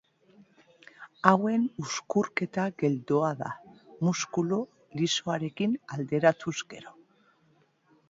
Hauen uzkurketa geldoa da, muskulu lisoarekin alderatuz gero.